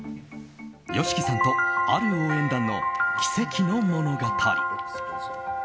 ＹＯＳＨＩＫＩさんとある応援団の奇跡の物語。